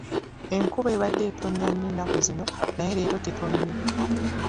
Enkuba ebadde etonnya nnyo ennaku ezo naye leero tetonnye.